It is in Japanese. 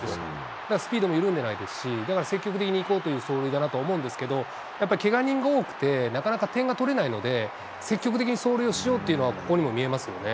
だからスピードも緩んでないですし、だから、積極的にいこうという走塁だなと思うんですけど、やっぱりけが人が多くてなかなか点が取れないので、積極的に走塁をしようというのはここにも見えますよね。